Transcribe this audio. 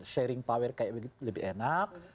sharing power kayak begitu lebih enak